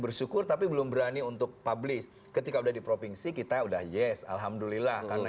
bersyukur tapi belum berani untuk publish ketika udah di provinsi kita udah yes alhamdulillah karena